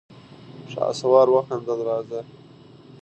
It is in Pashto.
شهسوار وخندل: راځه!